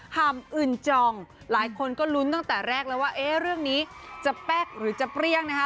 ่ำอึ่นจองหลายคนก็ลุ้นตั้งแต่แรกแล้วว่าเอ๊ะเรื่องนี้จะแป๊กหรือจะเปรี้ยงนะคะ